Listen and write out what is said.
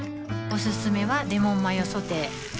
おすすめはレモンマヨソテー